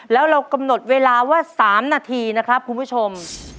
แล้วเรากำหนดเวลาว่า๓นาทีนะครับคุณผู้ชม